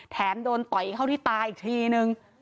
แถมโดนต่อยเข้าที่ตาอีกทีนึง